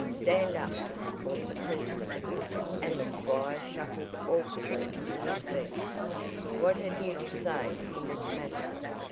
"Stand up!" called the president, and the squire shuffled awkwardly to his feet. "What have you to say in this matter?